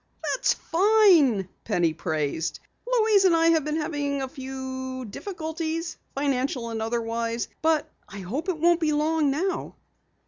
"That's fine," Penny praised. "Louise and I have been having a few difficulties, financial and otherwise. But I hope it won't be long now."